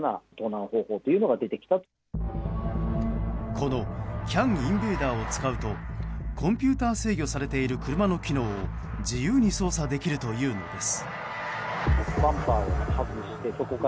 このＣＡＮインベーダーを使うとコンピューター制御されている車の機能を自由に操作できるというのです。